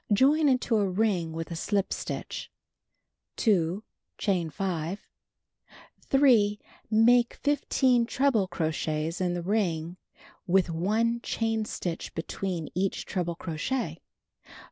Join into a ring with a slip stitch. 2. Chain 5. 3. Make 15 treble crochets in the ring with 1 chain stitch between each treble crochet.